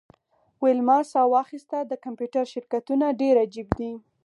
ویلما ساه واخیسته د کمپیوټر شرکتونه ډیر عجیب دي